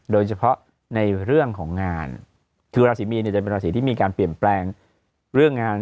โดยเฉพาะในเรื่องของงานคือราศีมีนเนี่ยจะเป็นราศีที่มีการเปลี่ยนแปลงเรื่องงาน